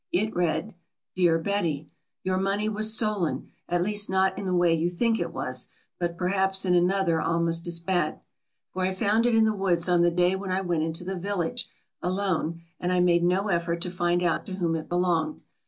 It read: DEAR BETTY: Your money was stolen, at least not in the way you think it was, but perhaps in another almost as bad. For I found it in the woods on the day when I went into the village alone and I made no effort to find out to whom it belonged.